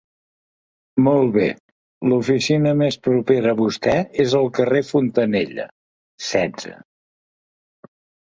Molt bé, l'oficina més propera a vostè és al Carrer Fontanella, setze.